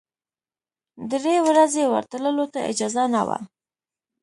درې ورځې ورتللو ته اجازه نه وه.